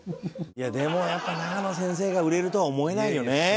でもやっぱり永野先生が売れるとは思えないよね。